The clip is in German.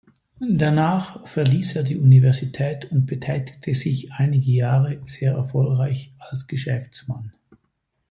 Danach verließ er die Universität und betätigte sich einige Jahre sehr erfolgreich als Geschäftsmann.